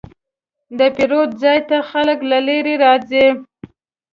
د پیرود ځای ته خلک له لرې راځي.